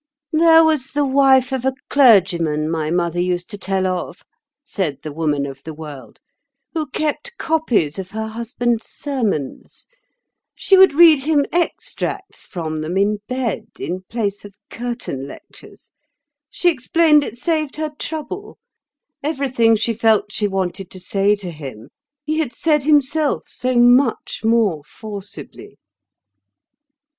"There was the wife of a clergyman my mother used to tell of," said the Woman of the World, "who kept copies of her husband's sermons. She would read him extracts from them in bed, in place of curtain lectures. She explained it saved her trouble. Everything she felt she wanted to say to him he had said himself so much more forcibly."